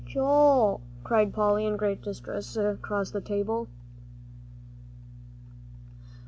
"Joel!" cried Polly, in great distress, across the table.